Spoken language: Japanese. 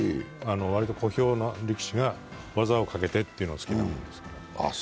割と小兵の力士が技をかけてというのが好きなんです。